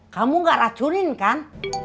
kamu gak racunin kan